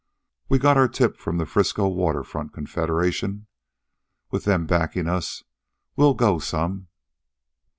We got our tip from the Frisco Water Front Confederation. With them backin' us we'll go some."